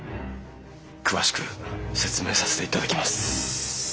詳しく説明させていただきます。